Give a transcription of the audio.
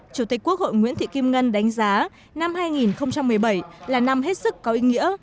chủ tịch quốc hội nguyễn thị kim ngân đánh giá năm hai nghìn một mươi bảy là năm hết sức có ý nghĩa